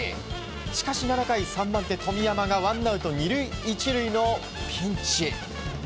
しかし７回３番手、富山がワンアウト２塁１塁のピンチ。